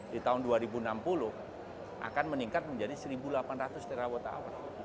di tahun dua ribu enam puluh akan meningkat menjadi satu delapan ratus terawatt hour